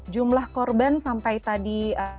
jumlah korban sampai tadi